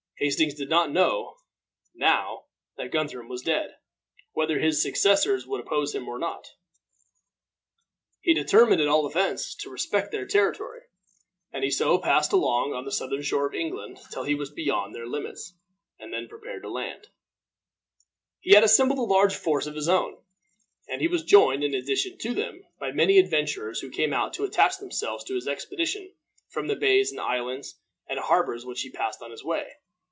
Hastings did not know, now that Guthrum was dead, whether his successors would oppose him or not. He determined, at all events, to respect their territory, and so he passed along on the southern shore of England till he was beyond their limits, and then prepared to land. [Illustration: HASTINGS BESIEGED IN THE CHURCH.] He had assembled a large force of his own, and he was joined, in addition to them, by many adventurers who came out to attach themselves to his expedition from the bays, and islands, and harbors which he passed on his way.